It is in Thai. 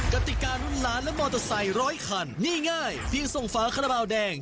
กติการุ่นล้านและมอเตอร์ไซค์ร้อยคันนี่ง่ายเพียงส่งฝาคาราบาลแดง